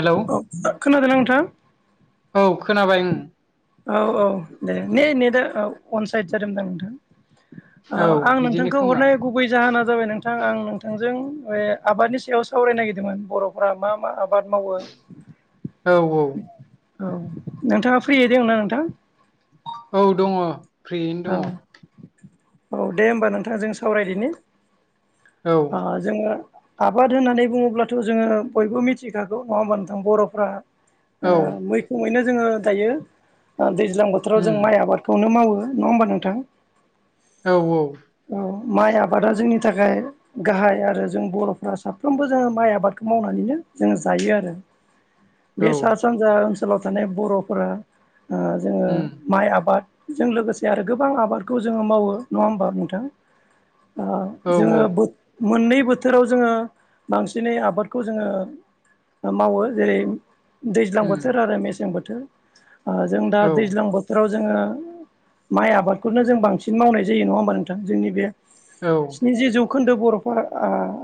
Hello खोनादों नोंथां? औ खोनाबाय‌ ओं औ औ दे नेै ने दा औ अनसाइद जादोंमोनदां नोंथां। औ आं बिदिनो नोंथांखौ खोमा हरनाय गुबै जाहोना जाबाय नोंथां आं नोंथांजों आबादनि सायाव सावरायनो नागिरदोंमोन। रा मा मा आबाद मावो? औ औ। औ नोंथाङा फ्रियै दोङोना नोंथां? औ दङ। फ्रियैनो औ दङ औ दे होमबा नोंथां जों सावरायदिनि औ जोङो। आबाद होननानै बुङोब्लाथ' जोङो बयबो मिथिखागौ नङा होमबा नोंथां बर'फ्रा। औ मैखोमैनो जोङो दायो दैज्लां बोथोराव जों उम माइ आबादखौनो मावो। नङा होमबा नोंथां? औ औ। औ माइ आबादा जोंनि थाखाय। गाहाय आरो जों बर'फ्रा साफ्रोमबो जोङो माइ आबादखौ मावनानैनो जोङो जायो आरो। [inaudible] बे औ सा सानजा ओनसोलाव थानाय बर'फोरा जोङो उम माइ आबाद। जों लोगोसे आरो गोबां आबादखौ जोङो मावो नङा होमबा नोंथां। औ औ जोङो मोननै बोथोराव जोङो बांसिनै आबादखौ जोङो मावो जेरै दैज्लां उम बोथोर आरो मेसें बोथोर जों दा औ दैज्लां बोथोराव जोङो माइ आबादखौनो जों बांसिन मावनाय जायो नङा होमबा नोंथां जोंनि बे औ नि जि जौखोन्दो बर'फ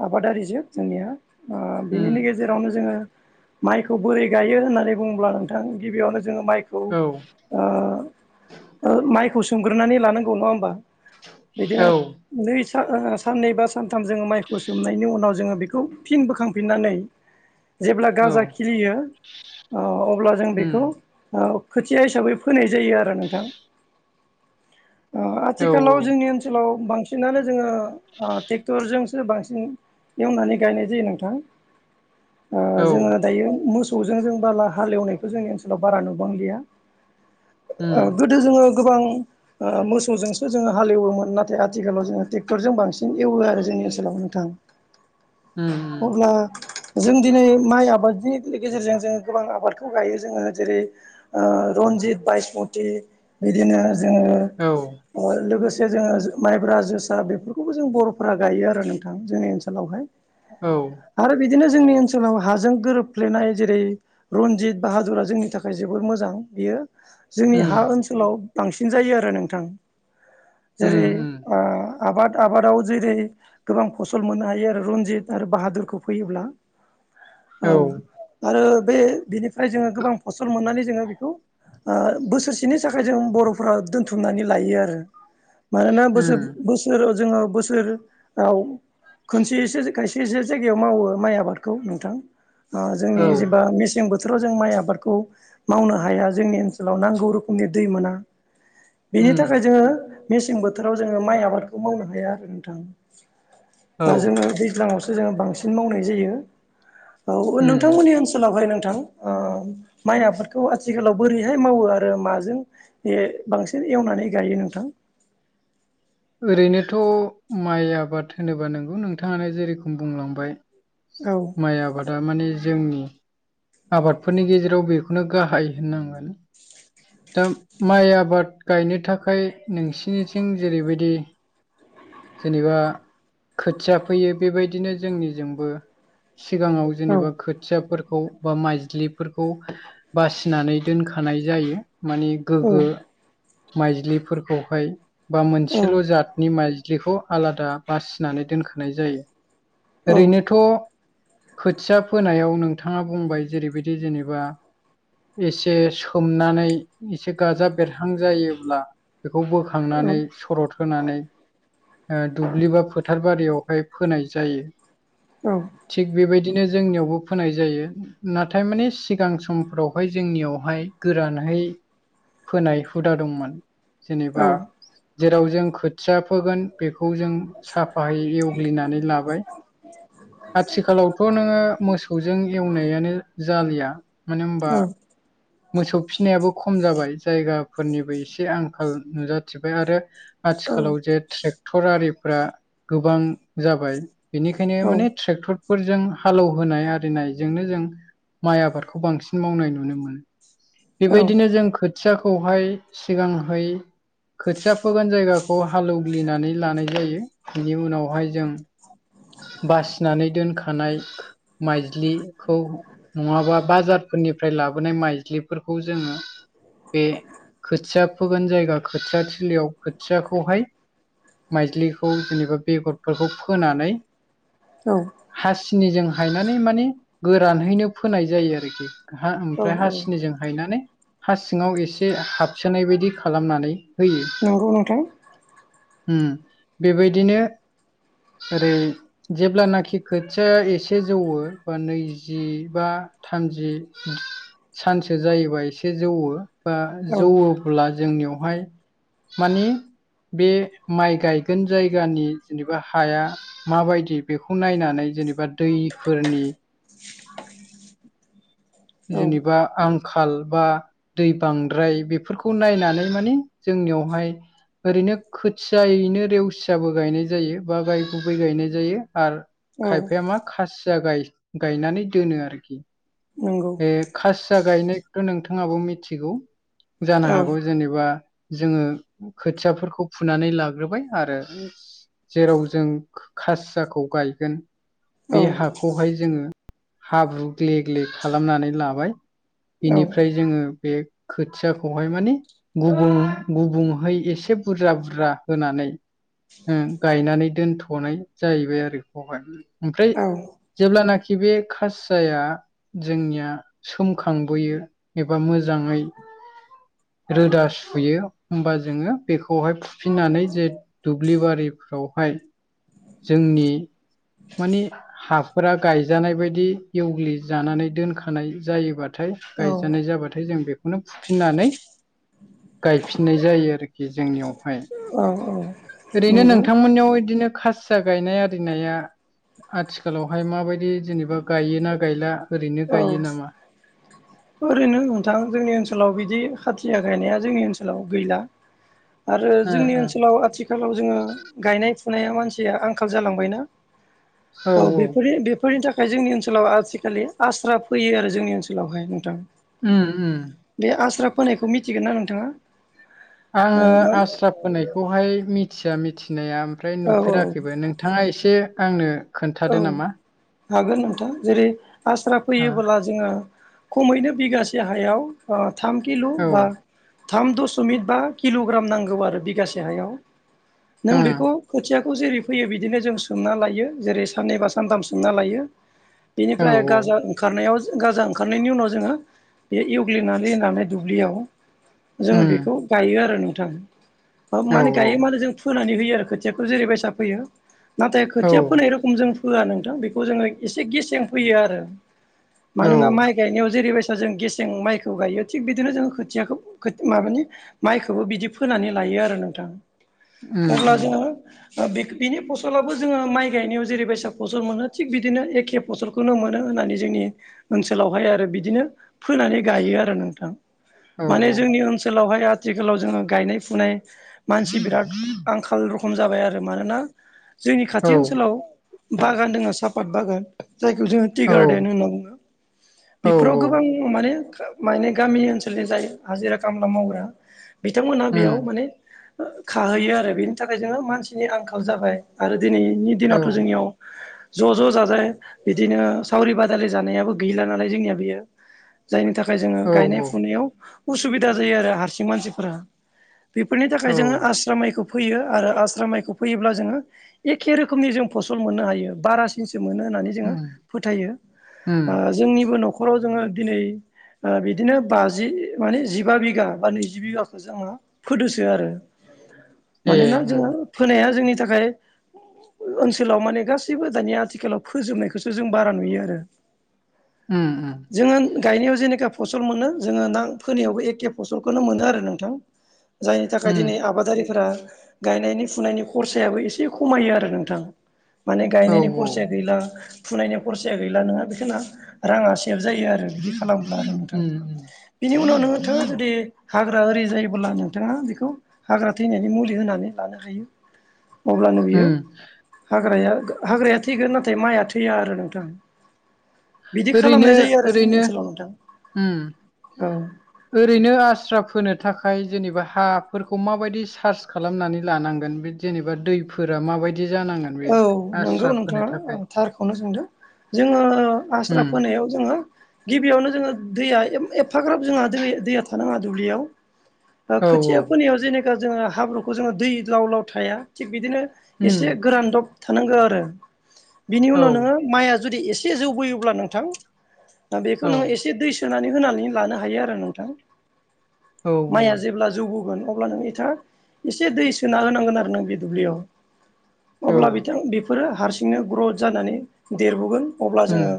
आबादारिजों जोंनिया बिनि उम गेजेराव जेरावनो जोङो माइखौ बोरै गायो होननानै बुङोब्ला नों गिबियावनो जो माइखौ ओ औ माइखौ सोमग्रोनानै लानांगौ नङा होमबा बिदिनो औ नै साननै बा सानथाम जोङो माइखौ सोमनायनि उनाव जोङो बेखौ फिन बोखांफिननानै जेब्ला गाजा खिलियो अब्ला जों उम बेखौ खोथिया हिसाबै फोनाय जायो आरो नोंथां औ आथिखालाव जोंनि ओनसोलाव बांसिनानो जोङो ट्रेक्टरजोंसो बांसिन एवनानै गायनाय जायो नोंथां औ जोङो दायो मोसौजों जों बाला हालेवनायखौ जोंनि ओनसोलाव बारा नुबांलिया उम गोदो जोङो गोबां मोसौजोंसो जोङो हालेवोमोन नाथाय आथिखालाव जोङो ट्रेक्टरजों बांसिन एवो आरो जोंनि ओनसोलाव नोंथांा [inaudible] ओम अब्ला जों दिनै माइ आबादनि गेजेरजों जोङो गोबां आबादखौ गायो जोङो जेरै रन्जित बसमति बिदिनो औ जोङो लोगोसे जोङो माइब्रा जोसा बेफोरखौबो जों बर'फोरा गायो आरो नोंथां जोंनि ओनसोलावहाय औ आरो बिदिनो जोंनि ओनसोलाव हाजों गोरोबफ्लेनाय जेरै रनजित बाहादुरा जोंनि थाखाय जोबोर मोजां बियो जोंनि उम हा ओनसोलाव बांसिन जायो आरो नोंथां उम जेरै आबाद आबादाव जेरै गोबां फसल मोननो हायो आरो रनजित आरो बाहादुरखौ फैयोब्ला औ आरो बेनि जोङो गोबां फसल मोननानै जोङो बेखौ बोसोरसेनि नि थाखाय जों बर'फोरा दोनथुमनानै लायो आरो मानोना बोसोर उम बोसोर बोस जोङो बोसोराव खनसे ए खायसे एसे जायगायाव मावो माइ आबादखौ नोंथां जोंनि औ जेबा मेसें बोथोराव जों माइ आबादखौ मावनो हाया जोंनि ओनसोलाव नांगौ रोखोम उनि दै मोना बेनि उम थाखाय जोङो मेसें बोथोराव जोङो माइ आबादखौ मावनो हाया आरो नोंथां औ जोङो दैज्लाङावसो जोङो बांसिन मावनाय जायो औ उम नोंथांमोननि ओनसोल आथिखालावहाय नोंथां माइ आादफोरखौ आथिखालाव बोरैहाय मावो आरो म जों बांसिन एवनानै गायो नोंथां ओरैनोथ' माइ आबाद होनोबा नंगौ नोंथाङानो जेरोखम बुंलांबाय औ माइ आबादा माने जोंनि आबादफोरनि गेजेराव बेखौनो गाहाय होननांगोन दा माइ आबाद गायनो थाखाय नोंसिनिथिं जेरैबायदि जेनेबा खोथिया फैयो बेबायदिनो जोंनिजोंबो सिगाङाव औ जेनेबा खोथियाफोरखौ बा माइज्लिफोरखौ बासिनानै दोनखानाय जायो मानिे औ गोग्गो माइज्लिफोरखौहाय बा औ मोनसेल' जातनि माइज्लि फिख्रिखौ आलादा बासिनानै दोनखानाय जायो औ ओरैनोथ' खोथिया फोनायाव नोंथाङा बुंबाय जेरैबायदि जेनेबा एसे सोमनानै एसे गाजा बेरहां जायोब्ला बेखौ बोख औ थांनानै सरद होनानै ओ दुब्लि बा फोथार बारियावहाय फोनाय जायो। औ। थिग बेबायदिनो जोंनियावबो फोनाय जायो नाथाय मानि सिगां समफोरावहाय जोंनियावहाय गोरानहै फोनाय हुदा दंमोन। औ जेनेबा जेराव जों खोथिया फोगोन बेखौ जों साफायै एवग्लिनानै लाबाय। आथिखालावथ' नोङो [inaudible] मोसौजों एवनायानो जालिया मानो होमबा मोसौ फिनायाबो खम जाबाय जायगाफोरनिबो एसे आंखाल नुजाथिबाय आरो आथिखालाव जे ट्रेक्टर आरिफ्रा गोबां जाबाय बेनिखायनो माने ट्रेक्टरफोरजों हालौहोनाय आरिनायजोंनो जों माइ आबादखौ बांसिन मावनाय नुनो मोनो औ बेबायदिनो जों खोथ थियाखौहाय सिगांहै खोथिया फोगोन जायगाखौ हालौग्लिनानै लानाय जायो बिनि उनावहाय जों बास सिनानै दोनखानाय माइज्लिखौ नङाबा बाजारफोरनि फ्राय लाबोनाय माइज्लिफोरखौ जोङो बे खोथिया फोगोन जायगा खोथिया थिलियाव खोथियाखौहाय माइज्लिखौ जेनेबा बेगरफोरखौ फोनानै औ। हासिनिजों हायनानै माने गोरानहैनो फोनाय जायो आरोखि। हा औ ओमफ्राय औ हासिनिजों गायनानै हा सिङाव एसे हाबसोनाय बायदि खालामनानै होयो। नंगौ नोंथां। उम बेबायदिनो ओरै जेब्लानाखि खोथिया एसे जौवो बा नैजिबा थामजि सानसो जायोबा एसे जौवो बा औ जौवो अब्ला जोंनियावहाय मानि बे माइ गायगोन जायगानि जेनेबा हाया माबायदि बेखौ नायनानै जेनेबा दैफोरनि औ जेनेबा आं आंखाल बा दै बांद्राय बेफोरखौ नायनानै माने जोंनियावहाय ओरैनो खोथियायैनो रेवसियाबो गायनाय जायो बा गाय गुबै गायनाय जायो। आर औ खायफाया मा खासिया गाय-गायनानै दोनो आरोखि नंगौ। बे खासिया गायनायथ' नोंथाङाबो मिथिगौ जानो औ हागौ। जेनेबा जोङो खोथियाफोरखौ फुनानै लाग्रोबाय आरो जेराव जों खो-खासियाखौ गायगोन बे औ हाखौहाय जोङो हाब्रु ग्ले ग्ले खालामनानै लाबाय औ बेनिफ्राय जोङो बे खोथियाखौहाय माने गुबुं-गुबुंहै एसे बुरजा-बुरजा होनानै ओ गायनानै दोनथ'नाय जाहैबाय आरो बेखौहाय ओमफ्राय जेब्लानाखि बे खासियाया जोंनिया सोमखांबोयो एबा मोजाङै रोदा सुयो होमबा जोङो बेखौहाय फुफिननानै जे दुब्लि बारिफ्रावहाय जोंनि मानि हाफोरा गायजानाय बायदि एवग्लि जानानै दोनखानाय जायोबाथाय गायजानाय जाबाथाय जों बेखौनो फुफिननानै गायफिननाय जायो आरोखि जोंनियावहाय औ औ ओरैनो नंगौ नोंथांमोननियाव बिदिनो खास सिया गायनाय आरिनाया आथिखालावहाय माबायदि जेनेबा गायोना गायला ओरैनो गायो औ नामा ओरैनो नोंथां जोंनि ओनसोलाव बिदि खाथिया गायनाया जोंनि ओनसोलाव गैला आरो जोंनि ओ ओनसोलाव आथि आथिखालाव जोङो गायनाय फुनाया मानसिया आंखाल जालांबायना औ बेफोरनि फोरनि थाखाय जोंनि ओनसोलाव आथिखालि आस्रा फैयो आरो जोंनि ओनसोलावहाय नोंथां उम उम बे आस्रा फोनायखौ मिथिगोन ना नोंथाङा ओ आङो मा आस्रा फोनायखौहाय मिथिया मिथिनाया ओमफ्राय औ नुफेराखैबो नों थाङा एसे आंनो औ खोन्थादो नामा हागोन नोंथां जेरै आस्रा फैयोबोब्ला जोङो खमैनो बिगासे हायाव ओ थाम किल' ओ बा थाम दसमिक बा किल'ग्राम नांगौ आरो बिगासे हायाव नों बेखौ खोथियाखौ जेरै फैयो बिदिनो जों सोमना लायो जेरै साननैबा सानथाम सोमना लायो बेनिफ्राय गाजा औ ओंखारनायाव गाजा ओंखारनायनि उनाव जोङो बे एवग्लिनानै होनानै दुब्लियाव जोङो उम बेखौ गायो आरो नोंथां ओ औ माने गायो उम माने जों फोनानै होयो आरो खोथियाखौ जेरैबायसा फैयो नाथाय औ खोथिया फोनाय खमजों फोआ नोंथां बेखौ जोङो एसे गेसें फोयो आरो औ मानोना माइ गायनायाव जेरै बायसा जों गेसें माइखौ गायो थिग बिदिनो जों खोथियाखौ माबानि माइखौबो बिदि फोनानै लायो आरो नोंथां उम अब्ला उम जोङो ओ बिनि फसलाबो जोङो माइ गायनायाव जेरै बासा फसल मोनो थिग बिदिनो एखे फसलखौनो मोनो होननानै जोंनि ओनसोलावहाय आरो बिदिनो फोनानै गायो आरो नोंथां औ माने जोंनि ओनसोलावहाय आथिखालाव जोङो गायनाय फुनाय मानसि बिराद आंखाल रखम जाबाय आरो मानोना जोंनि खाथि औ ओनसोलाव बागान दङ सापात बागान जायखौ जोङो टि औ गार्डेन होनना बुङो औ बेफोराव औ गोबां माने माने गामि ओनसोलनि जाय हाजिरा खामला मावग्रा बिथांमोनहा उम बेयाव माने ओ खाहैयो आरो बेनि थाखाय जोङो मानसिनि आंखाल जाबाय आरो दिनैनि औ दिनावथ' जोंनियाव ज' ज' जाजाय बिदिनो सावरि बादालि जानायाबो गैला नालाय जोंनिया बेयो जायनि थाखाय जोङो औ गायनाय फुनायाव उसुबिदा जायो आरो हारसिं मानसिफोरा बेफोरनि थाखाय औ जोङो आस्रा माइखौ फैयो आरो आस्रा माइखौ फैयोब्ला जोङो एखे रोखोमनि जों फसल मोननो हायो बारासिनसो मोनो होननानै जोङो उम फोथायो उम ओ जोंनिबो न'खराव जोङो दिनै ओ बिदिनो बाजि माने जिबा बिगा बा नैजि बिगाखौ जोङो फोदोसो आरो ए मानोना जोङो उम फोनाया जोंनि थाखाय ओनसोल आथिखोलाव माने गासैबो दानि आथिखालाव फोजोबनायखौसो जों बारा नुयो आरो उम उम जोङो गायनायाव जेनेखा फसल मोनो जोङो ना फोनायावबो एखे फसलखौनो मोनो आरो नोंथां [inaudible] जायनि थाखाय दिनै उम आबादारिफोरा गायनायनि फुनायनि खरसायाबो एसे खमायो आरो नोंथां माने औ गायनायनि खरसाया गैला फुनायनि खरसाया गैला नोंहा बेखना राङा सेभ जायो आरो ओ बिदि खालामब्ला आरो नोंथां उम उम बिनि उनाव नोङोथो जुदि हाग्रा ओरि जायोबोब्ला नोंथाङा बेखौ हाग्रा थैनायनि मुलि होनानै लानो हायो अब्लानो बियो उम हाग्राया हाग्राया थैगोन नाथाय माइया थैया आरो नोंथां बिदि ओरैनो खालामनाय जायो आरो जोंनि ओरैनो ओनसोलाव उम नोंथां औ। ओरैनो आस्रा फोनो थाखाय जेनेबा हाफोरखौ माबायदि सार्च खालामनानै लानांगोन बे जेनेबा दैफोरा माबायदि जानाङा औ नंगौ नोंथाङा थारखौनो सोंदों जोङो आस्रा उम फोनायाव जोङो गिबियावनो जोङो दैया एफाग्राब जोंहा दैया थानाङा दुब्लियाव औ औ खोथिया फोनायाव जे जोङो हाब्रुखौ जोङो दै लाव लाव थाया थिग बिदिनो एसे उम फोरानदब थानांगौ आरो बिनि औ उनाव नोङो माइया जुदि एसे जौबोयोब्ला नोंथां। दा बेखौ औ नोङो एसे दै सोनानै होनानै लानो हायो आरो नोंथां। औ माइया जेब्ला जौबो अब्ला नोंथाङा एसे दै सोना होनांगोन आरो नों बे दुब्लियाव औ अब्ला बिथां बेफोरो हारसिंनो ग्रथ जानानै देरबोगोन अब्ला उम जोङो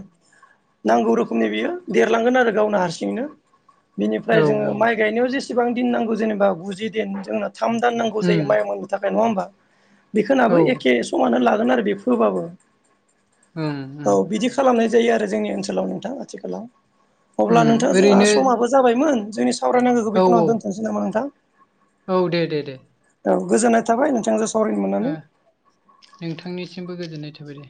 नांगौ रोखोमनि बियो देरलांगोन आरो गावनो हारसिंनो औ बिनिफ्राय जोङो माइ गायनायाव जेसेबां दिन नांगौ जेनेबा गुजि दिन जोंना थाम दान नांगौ जायो उम माइ मोननो थाखाय नङा होमबा औ बेखौनोहाबो ए [unintelligible] उम उम खालामनाय जायो आरो जोंनि ओनसोलाव नोंथां आथिखालाव अब्ला उम नोंथाङा जोंहा ओरैनो समाबो जाबायमोन जोंनि सावरायनांगौखौ औ बेखौननो औ दोन्थ'नोसै नामा नोंथां। औ दे दे दे। औ गोजोन्नाय थाबाय नोंथां सि नोंथांनिसिमबो गोजोननाय थाबाय दे।